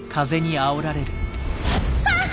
あっ！